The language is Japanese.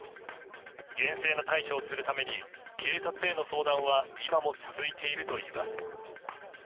厳正な対処をするために警察への相談は今も続いているといいます。